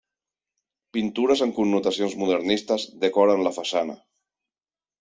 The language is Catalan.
Pintures amb connotacions modernistes decoren la façana.